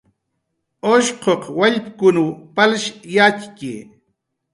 Ushquq wallpkunw palsh yatxki